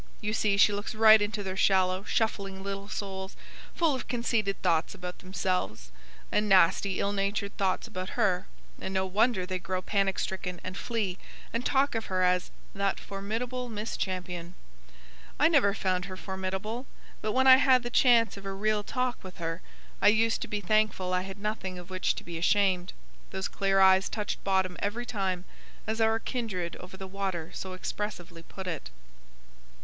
You see she looks right into their shallow shuffling little souls, full of conceited thoughts about themselves, and nasty ill natured thoughts about her; and no wonder they grow panic stricken, and flee; and talk of her as 'that formidable Miss Champion.' I never found her formidable; but, when I had the chance of a real talk with her, I used to be thankful I had nothing of which to be ashamed. Those clear eyes touched bottom every time, as our kindred over the water so expressively put it."